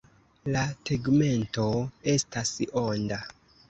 La tegmento estas onda.